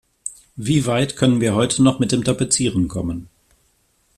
Wie weit können wir heute noch mit dem Tapezieren kommen?